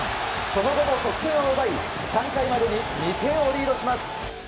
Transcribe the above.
その後も得点を奪い３回までに２点をリードします。